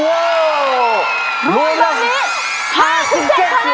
โอ้โหมันนี่๕๗คะแนน